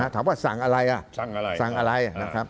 ถามว่าสั่งอะไรสั่งอะไร